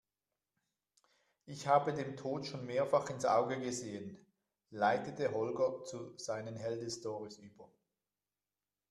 Ich habe dem Tod schon mehrfach ins Auge gesehen, leitete Holger zu seinen Heldenstorys über.